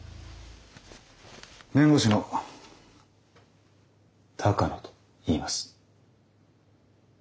弁護士の鷹野といいます。